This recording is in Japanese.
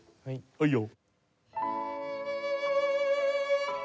はいよ。